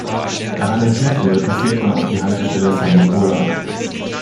Nach einem Kehrtunnel passiert man auf die Haltestelle San Nicolao.